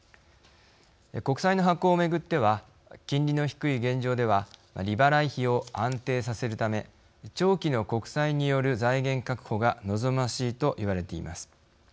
国債の発行をめぐっては金利の低い現状では利払い費を安定させるため長期の国債による財源確保が望ましいといわれています。